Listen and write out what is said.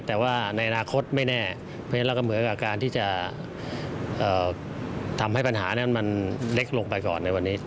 แต่ว่าในอนาคตไม่แน่เพราะฉะนั้นเราก็เหมือนกับการที่จะทำให้ปัญหานั้นมันเล็กลงไปก่อนในวันนี้